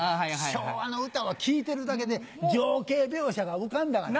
昭和の歌は聴いてるだけで情景描写が浮かんだがな。